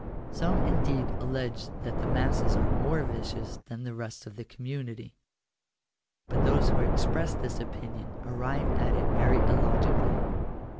225 § 5. Some indeed allege that the masses are more vicious than the rest of the community. But those who express this opinion arrive at it very illogical ly.